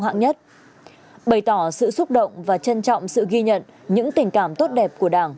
hạng nhất bày tỏ sự xúc động và trân trọng sự ghi nhận những tình cảm tốt đẹp của đảng